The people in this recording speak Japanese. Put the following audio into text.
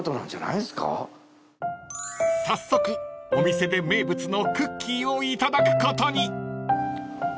［早速お店で名物のクッキーをいただくことに］